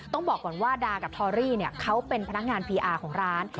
ต้องบอกก่อนว่าดากับทอรี่เขาเป็นพนักงานพีอาร์ของร้าน